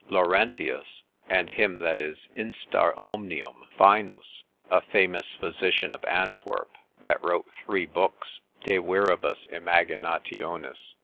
Laurentius, and him that is instar omnium, Fienus, a famous physician of Antwerp, that wrote three books de viribus imaginationis.